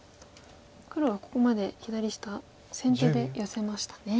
黒はここまで左下先手でヨセましたね。